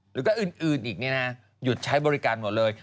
หรือก็อื่นอีกหยุดใช้บริการหมดเลย